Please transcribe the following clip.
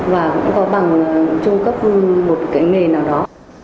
và cũng có bằng trung cấp một cái nghề nào đó